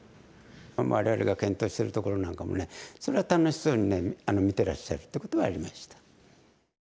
我々が検討してるところなんかもねそれは楽しそうに見てらっしゃるということはありました。